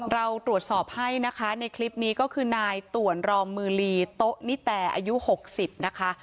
เราตรวจสอบให้นะคะในคลิปนี้ก็คือนายต่วนรอมมือลีโต๊ะนิแตอายุ๖๐นะคะ